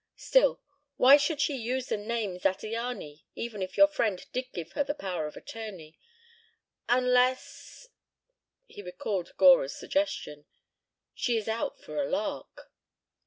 ... Still, why should she use the name Zattiany even if your friend did give her the power of attorney ... unless ..." he recalled Gora's suggestion, "she is out for a lark."